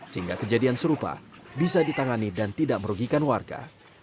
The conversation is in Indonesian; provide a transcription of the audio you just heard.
sehingga kejadian serupa bisa ditangani dan tidak merugikan warga